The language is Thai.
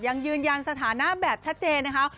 ยังยืนยันสถานะแบบชัดเจนนะคะ